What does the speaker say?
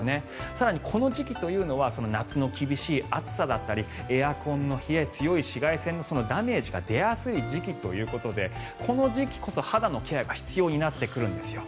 更にこの時期というのは夏の厳しい暑さだったりエアコンの冷え強い紫外線のダメージが出やすい時期ということでこの時期こそ肌のケアが必要になってくるんですよ。